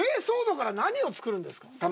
珪藻土から何を作るんですか。